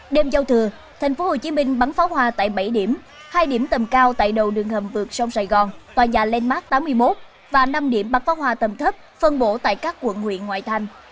đêm châu thừa tp hcm bắn pháo hoa tại bảy điểm hai điểm tầm cao tại đầu đường hầm vượt sông sài gòn tòa nhà landmark tám mươi một và năm điểm bắn pháo hoa tầm thấp phân bổ tại các quận huyện ngoại thành